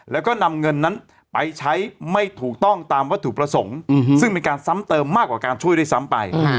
แล้วก็นำเงินนั้นไปใช้ไม่ถูกต้องตามวัตถุประสงค์ซึ่งเป็นการซ้ำเติมมากกว่าการช่วยด้วยซ้ำไป